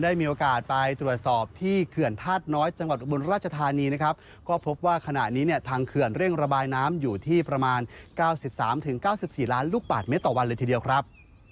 อีกล้านลูกปาดเม็ดต่อวันเลยทีเดียวครับ